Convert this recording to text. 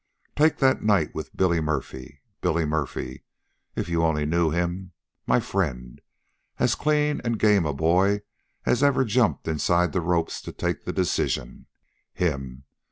Take that night with Billy Murphy. Billy Murphy! if you only knew him. My friend. As clean an' game a boy as ever jumped inside the ropes to take the decision. Him!